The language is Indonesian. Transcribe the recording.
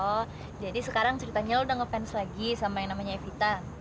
oh jadi sekarang ceritanya udah ngefans lagi sama yang namanya evita